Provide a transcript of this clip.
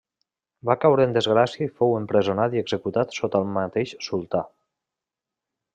Va caure en desgràcia i fou empresonat i executat sota el mateix sultà.